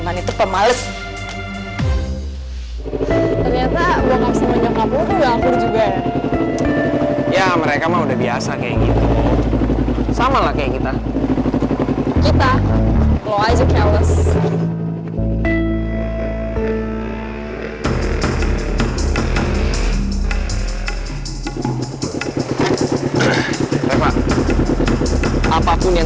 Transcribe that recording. menjuar satu belakang